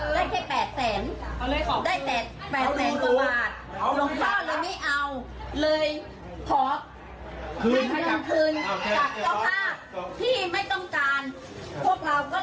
มาหลังคืนเพื่อจะได้